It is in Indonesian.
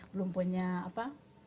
belum punya apa